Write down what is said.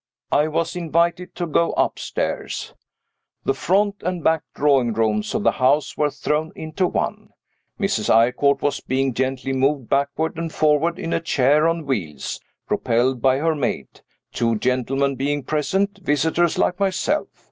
I was invited to go upstairs. The front and back drawing rooms of the house were thrown into one. Mrs. Eyrecourt was being gently moved backward and forward in a chair on wheels, propelled by her maid; two gentlemen being present, visitors like myself.